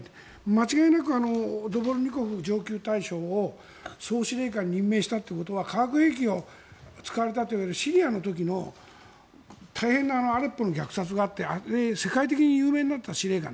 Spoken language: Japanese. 間違いなくドボルニコフ上級大将を総司令官に任命したということは核兵器が使われたというシリアの時の大変なアレッポの虐殺があってあれで世界的に有名になった司令官。